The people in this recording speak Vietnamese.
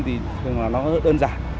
thì thường là nó đơn giản